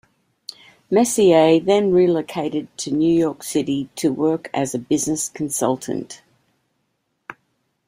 Messier then relocated to New York City to work as a business consultant.